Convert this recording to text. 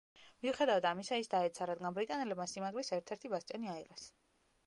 მიუხედავად ამისა ის დაეცა, რადგან ბრიტანელებმა სიმაგრის ერთ-ერთი ბასტიონი აიღეს.